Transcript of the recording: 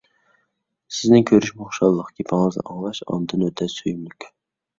سىزنى كۆرۈشمۇ خۇشاللىق، گېپىڭىزنى ئاڭلاش ئاندىن ئۆتە سۆيۈملۈك!